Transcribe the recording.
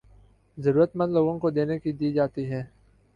ضرورت مند لوگوں کو دینے کے دی جاتی ہیں